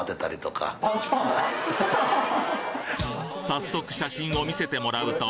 早速写真を見せてもらうと